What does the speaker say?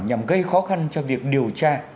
nhằm gây khó khăn cho việc điều tra